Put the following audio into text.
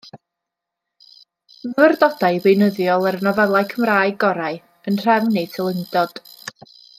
Myfyrdodau beunyddiol ar y nofelau Cymraeg gorau, yn nhrefn eu teilyngdod.